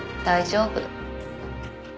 大丈夫。